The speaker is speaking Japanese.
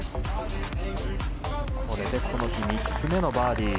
これでこの日３つ目のバーディー。